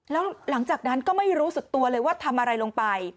แล้วหลังจากนั้นก็ไม่รู้สึกตัวเลยว่าทำอะไรลงไป